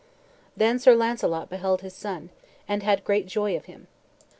Then Sir Launcelot beheld his son, and had great joy of him.